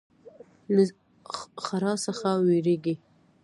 له ښرا څخه ویریږي.